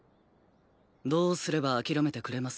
どうすれば諦めてくれます？